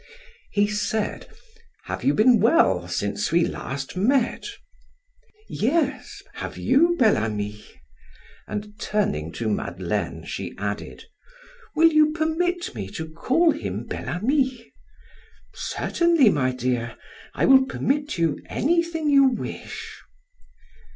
He said: "Have you been well since we last met?" "Yes; have you, Bel Ami?" And turning to Madeleine she added: "Will you permit me to call him Bel Ami?" "Certainly, my dear; I will permit anything you wish."